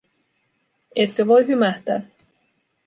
Etkö voi hymähtää?